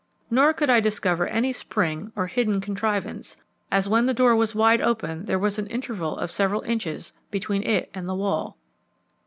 Nor could I discover any spring or hidden contrivance, as when the door was wide open there was an interval of several inches between it and the wall.